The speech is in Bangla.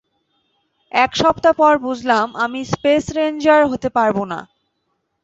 এক সপ্তাহ পর বুঝলাম, আমি স্পেস রেঞ্জার হতে পারবো না।